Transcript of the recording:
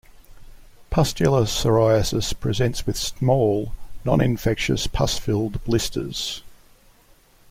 Pustular psoriasis presents with small non-infectious pus-filled blisters.